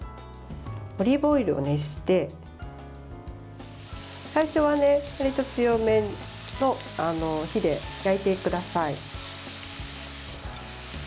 オリーブオイルを熱して最初は、わりと強めの火で焼いてください。